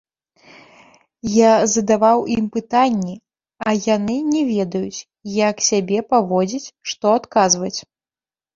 Я задаваў ім пытанні, а яны не ведаюць, як сябе паводзіць, што адказваць.